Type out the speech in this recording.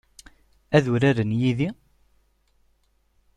Ad uraren yid-i?